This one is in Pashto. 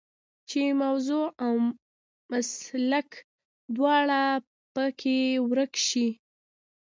چې موضوع او مسلک دواړه په کې ورک شي.